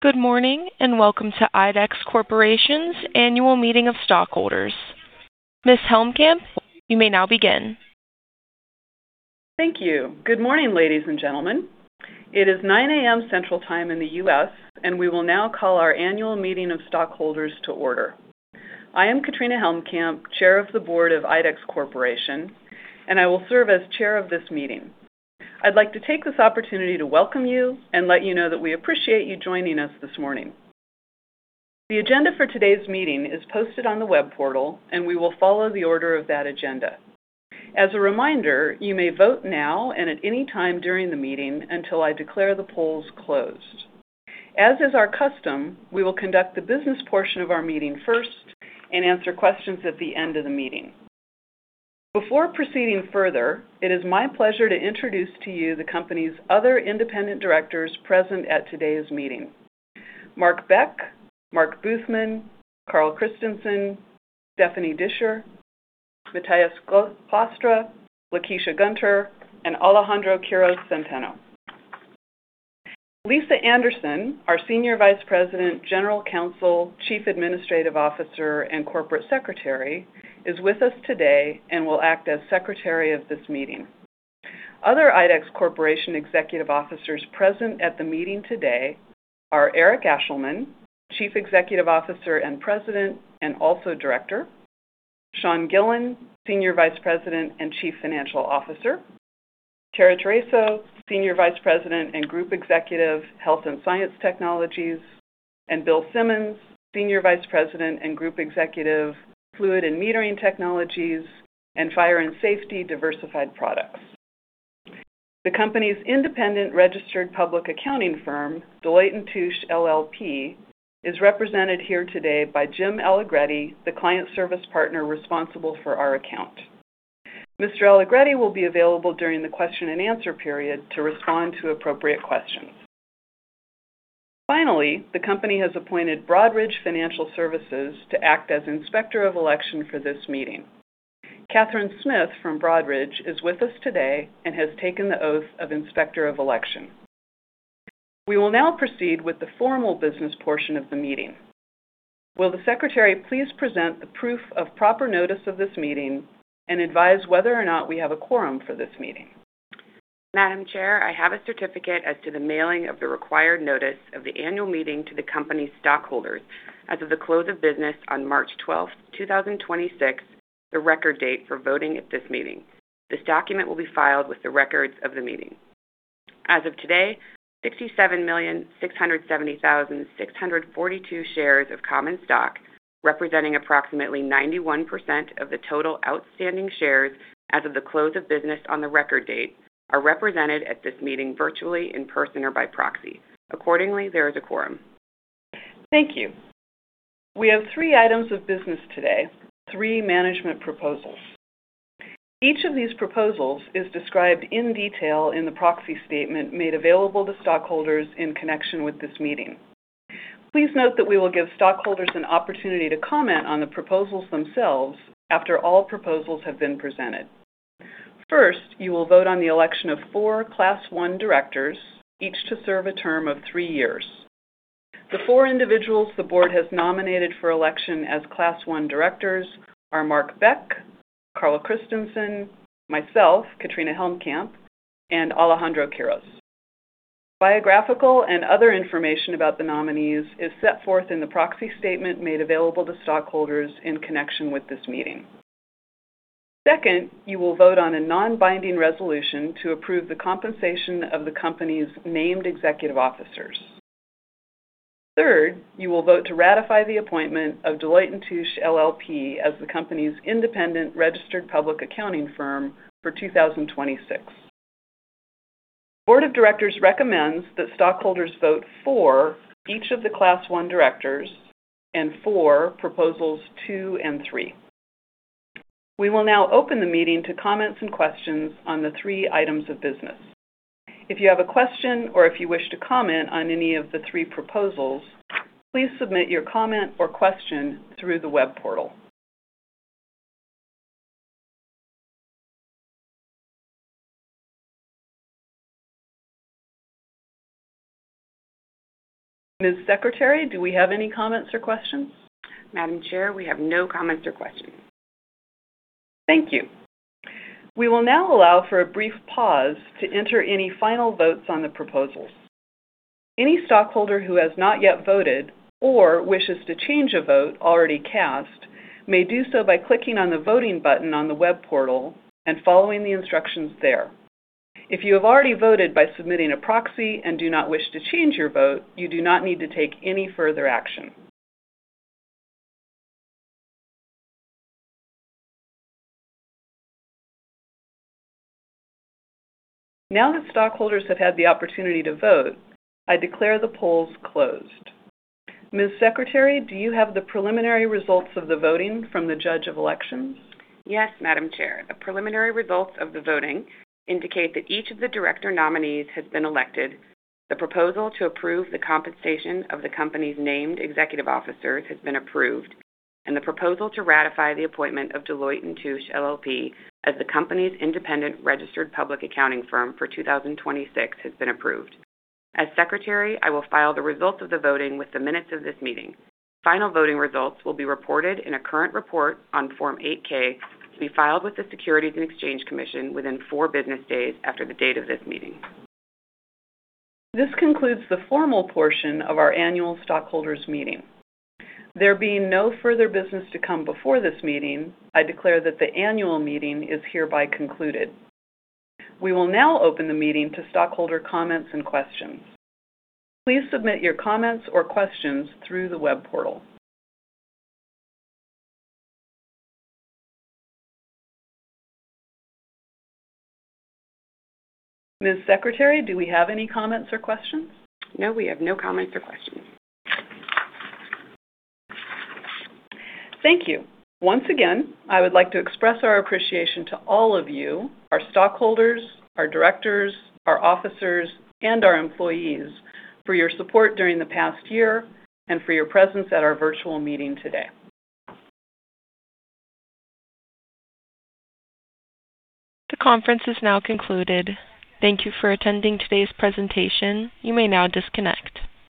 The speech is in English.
Good morning, welcome to IDEX Corporation's Annual Meeting of Stockholders. Ms. Helmkamp, you may now begin. Thank you. Good morning, ladies and gentlemen. It is 9:00 A.M. Central Time in the U.S., we will now call our annual meeting of stockholders to order. I am Katrina Helmkamp, Chair of the Board of IDEX Corporation, I will serve as chair of this meeting. I'd like to take this opportunity to welcome you and let you know that we appreciate you joining us this morning. The agenda for today's meeting is posted on the web portal, we will follow the order of that agenda. As a reminder, you may vote now and at any time during the meeting until I declare the polls closed. As is our custom, we will conduct the business portion of our meeting first and answer questions at the end of the meeting. Before proceeding further, it is my pleasure to introduce to you the company's other Independent Directors present at today's meeting. Mark Beck, Mark Buthman, Carl Christenson, Stephanie Disher, Matthijs Glastra, Lakecia Gunter, and Alejandro Quiroz Centeno. Lisa Anderson, our Senior Vice President, General Counsel, Chief Administrative Officer, and Corporate Secretary, is with us today and will act as secretary of this meeting. Other IDEX Corporation executive officers present at the meeting today are Eric Ashleman, Chief Executive Officer and President, and also Director, Sean Gillen, Senior Vice President and Chief Financial Officer, Tara Tereso, Senior Vice President and Group Executive, Health and Science Technologies, and Bill Simmons, Senior Vice President and Group Executive, Fluid and Metering Technologies and Fire and Safety Diversified Products. The company's independent registered public accounting firm, Deloitte & Touche LLP, is represented here today by Jim Allegretti, the Client Service Partner responsible for our account. Mr. Allegretti will be available during the question-and-answer period to respond to appropriate questions. Finally, the company has appointed Broadridge Financial Services to act as Inspector of Election for this meeting. Kathryn Smith from Broadridge is with us today and has taken the oath of Inspector of Election. We will now proceed with the formal business portion of the meeting. Will the Secretary please present the proof of proper notice of this meeting and advise whether or not we have a quorum for this meeting? Madam Chair, I have a certificate as to the mailing of the required notice of the annual meeting to the company stockholders as of the close of business on March 12th, 2026, the record date for voting at this meeting. This document will be filed with the records of the meeting. As of today, 67,670,642 shares of common stock, representing approximately 91% of the total outstanding shares as of the close of business on the record date, are represented at this meeting virtually in person or by proxy. Accordingly, there is a quorum. Thank you. We have three items of business today, three management proposals. Each of these proposals is described in detail in the proxy statement made available to stockholders in connection with this meeting. Please note that we will give stockholders an opportunity to comment on the proposals themselves after all proposals have been presented. First, you will vote on the election of 4 Class 1 directors, each to serve a term of three years. The four individuals the board has nominated for election as Class 1 directors are Mark Beck, Carl Christenson, myself, Katrina Helmkamp, and Alejandro Quiroz. Biographical and other information about the nominees is set forth in the proxy statement made available to stockholders in connection with this meeting. Second, you will vote on a non-binding resolution to approve the compensation of the company's named executive officers. Third, you will vote to ratify the appointment of Deloitte & Touche LLP as the company's independent registered public accounting firm for 2026. Board of directors recommends that stockholders vote for each of the Class 1 directors and for Proposals 2 and 3. We will now open the meeting to comments and questions on the three items of business. If you have a question, or if you wish to comment on any of the three proposals, please submit your comment or question through the web portal. Ms. Secretary, do we have any comments or questions? Madam Chair, we have no comments or questions. Thank you. We will now allow for a brief pause to enter any final votes on the proposals. Any stockholder who has not yet voted or wishes to change a vote already cast may do so by clicking on the voting button on the web portal and following the instructions there. If you have already voted by submitting a proxy and do not wish to change your vote, you do not need to take any further action. Now that stockholders have had the opportunity to vote, I declare the polls closed. Ms. Secretary, do you have the preliminary results of the voting from the Judge of Elections? Yes, Madam Chair. The preliminary results of the voting indicate that each of the director nominees has been elected, the proposal to approve the compensation of the company's named executive officers has been approved, and the proposal to ratify the appointment of Deloitte & Touche LLP as the company's independent registered public accounting firm for 2026 has been approved. As secretary, I will file the results of the voting with the minutes of this meeting. Final voting results will be reported in a current report on Form 8-K to be filed with the Securities and Exchange Commission within four business days after the date of this meeting. This concludes the formal portion of our annual stockholders meeting. There being no further business to come before this meeting, I declare that the annual meeting is hereby concluded. We will now open the meeting to stockholder comments and questions. Please submit your comments or questions through the web portal. Ms. Secretary, do we have any comments or questions? No, we have no comments or questions. Thank you. Once again, I would like to express our appreciation to all of you, our stockholders, our directors, our officers, and our employees for your support during the past year and for your presence at our virtual meeting today. The conference is now concluded. Thank you for attending today's presentation. You may now disconnect.